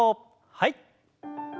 はい。